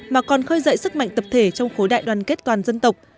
mà còn khơi dậy sức mạnh tập thể trong khối đại đoàn kết toàn dân tộc